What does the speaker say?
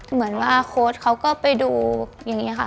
เหมือนว่าโค้ดเขาก็ไปดูอย่างนี้ค่ะ